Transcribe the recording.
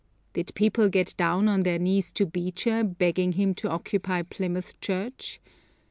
Did people get down on their knees to Beecher, begging him to occupy Plymouth church?